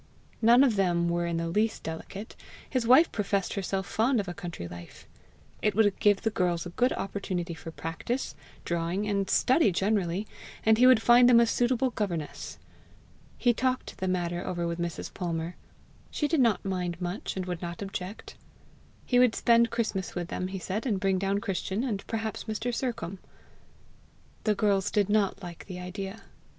None of them were in the least delicate; his wife professed herself fond of a country life; it would give the girls a good opportunity for practice, drawing, and study generally, and he would find them a suitable governess! He talked the matter over with Mrs. Palmer. She did not mind much, and would not object. He would spend Christmas with them, he said, and bring down Christian, and perhaps Mr. Sercombe. The girls did not like the idea.